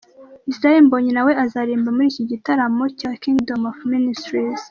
Israel Mbonyi na we azaririmba muri iki gitaramo cya Kingdom of God Ministries.